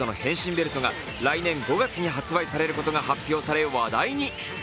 ベルトが来年５月に発売されることが発表され話題に。